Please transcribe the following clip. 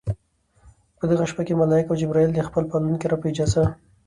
په دغه شپه کې ملائک او جبريل د خپل پالونکي رب په اجازه